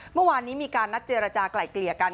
เมื่อวานนี้มีการนัดเจรจากลายเกลี่ยกัน